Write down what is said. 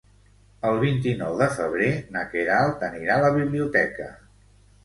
El vint-i-nou de febrer na Queralt anirà a la biblioteca.